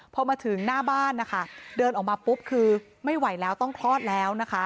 พอมาถึงหน้าบ้านนะคะเดินออกมาปุ๊บคือไม่ไหวแล้วต้องคลอดแล้วนะคะ